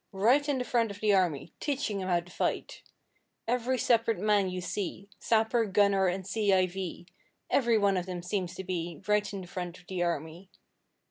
Right in the front of the army, Teaching 'em how to fight!' Every separate man you see, Sapper, gunner, and C.I.V., Every one of 'em seems to be Right in the front of the army!